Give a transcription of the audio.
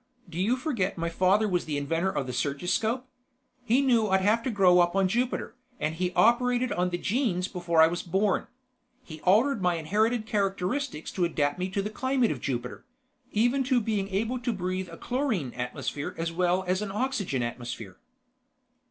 "Do you forget my father was inventor of the surgiscope? He knew I'd have to grow up on Jupiter, and he operated on the genes before I was born. He altered my inherited characteristics to adapt me to the climate of Jupiter ... even to being able to breathe a chlorine atmosphere as well as an oxygen atmosphere."